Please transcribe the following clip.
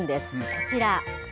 こちら。